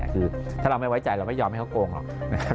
คือถ้าเราไม่ไว้ใจเราไม่ยอมให้เขาโกงหรอกนะครับ